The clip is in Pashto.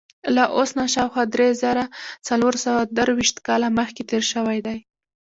له اوس نه شاوخوا درې زره څلور سوه درویشت کاله مخکې تېر شوی دی.